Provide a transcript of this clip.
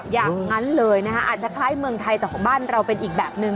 อย่างนั้นเลยนะคะอาจจะคล้ายเมืองไทยแต่ของบ้านเราเป็นอีกแบบนึง